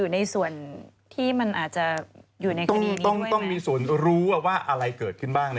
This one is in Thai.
ในส่วนที่มันอาจจะต้องมีส่วนรู้ว่าอะไรเกิดขึ้นบ้าง